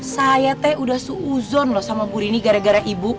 saya teh udah seuzon loh sama buru ini gara gara ibu